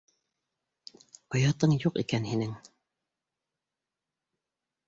Оятың юҡ икән һинең!